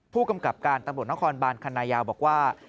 ผู้กำกับการตำรวจนครบานคันนายาวบอกว่า